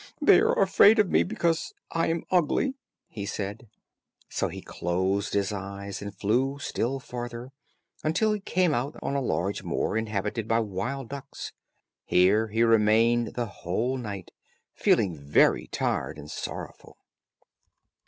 "They are afraid of me because I am ugly," he said. So he closed his eyes, and flew still farther, until he came out on a large moor, inhabited by wild ducks. Here he remained the whole night, feeling very tired and sorrowful.